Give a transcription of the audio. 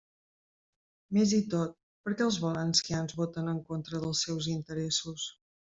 Més i tot, ¿per què els valencians voten en contra dels seus interessos?